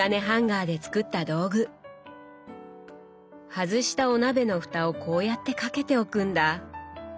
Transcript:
外したお鍋のふたをこうやって掛けておくんだ！